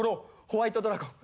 ホワイトドラゴン。